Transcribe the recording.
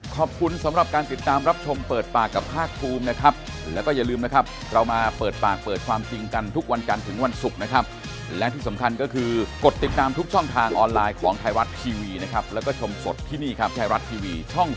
โปรดติดตามตอนต่อไป